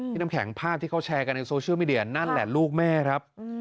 น้ำแข็งภาพที่เขาแชร์กันในโซเชียลมีเดียนั่นแหละลูกแม่ครับ